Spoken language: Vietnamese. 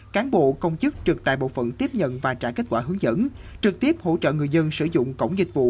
cán bộ công chức trực tại bộ phận tiếp nhận và trả kết quả hướng dẫn trực tiếp hỗ trợ người dân sử dụng cổng dịch vụ